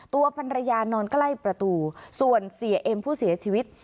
ตัวภรรยานอนใกล้ประตูส่วนเสียเอ็มผู้เสียชีวิต